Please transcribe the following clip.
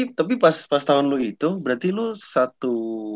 tapi pas tahun lo itu berarti lo satu